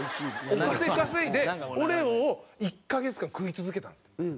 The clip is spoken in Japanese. お金稼いでオレオを１カ月間食い続けたんですって。